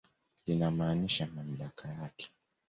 Linamaanisha mamlaka yake.